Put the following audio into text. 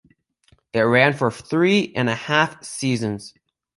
It ran for three and a half seasons.